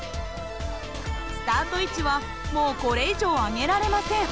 スタート位置はもうこれ以上上げられません。